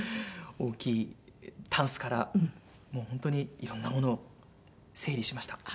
大きいタンスからもう本当にいろんなものを整理しました。